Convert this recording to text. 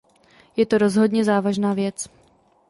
Je to rozhodně závažná věc.